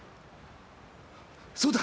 そうだ！